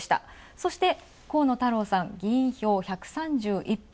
そして、河野太郎さん、議員票１３１票。